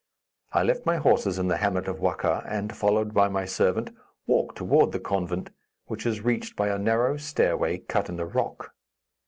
I left my horses in the hamlet of Wakkha, and, followed by my servant, walked toward the convent, which is reached by a narrow stairway cut in the rock.